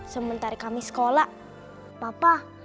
sementara kami sekolah